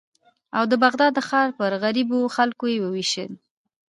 او د بغداد د ښار پر غریبو خلکو یې ووېشل.